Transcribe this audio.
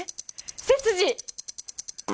背筋！